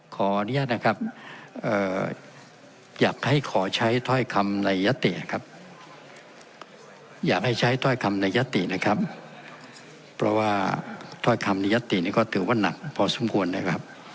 ขออนุญาตนะครับอยากให้ขอใช้ถ้อยคำในยตินะครับอยากให้ใช้ถ้อยคำในยตินะครับเพราะว่าถ้อยคำในยัตตินี่ก็ถือว่าหนักพอสมควรนะครับ